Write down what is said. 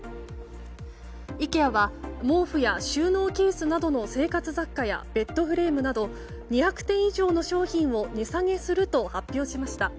イケアは毛布や収納ケースなどの生活雑貨やベッドフレームなど２００点以上の商品を値下げすると発表しました。